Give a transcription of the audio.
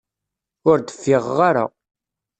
Ur d-fiɣeɣ ara.